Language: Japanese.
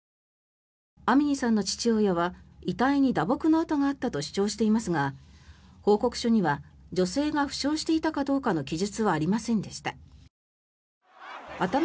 アミニさんの父親は遺体に打撲の痕があったと主張していますが報告書には女性が負傷していたかどうかの記述はありませんでした。